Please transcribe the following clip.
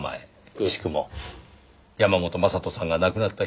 くしくも山本将人さんが亡くなった日です。